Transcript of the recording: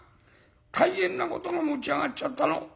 大変なことが持ち上がっちゃったの」。